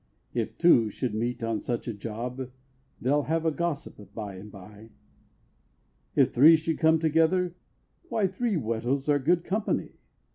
If two should meet on such a job, They'll have a gossip by and by. If three should come together why, Three widows are good company!